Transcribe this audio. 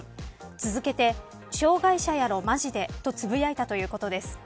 続けて障害者やろ、マジでとつぶやいたということです。